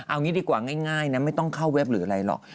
เอางี้ดีกว่าง่ายนะไม่ต้องเข้าเว็บหรืออะไรหรอก